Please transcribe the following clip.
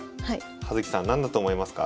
葉月さん何だと思いますか？